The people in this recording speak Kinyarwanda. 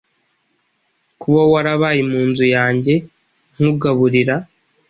kuba warabaye mu nzu yange nkugaburira